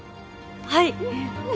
はい。